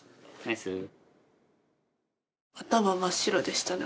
頭真っ白でしたね